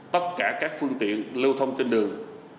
tất cả các phương tiện lưu thông trên đường